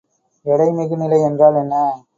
எடைமிகுநிலை என்றால் என்ன?